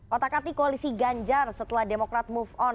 otak atik koalisi ganjar setelah demokrat move on